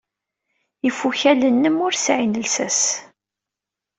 Ifukal-nnem ur sɛin llsas.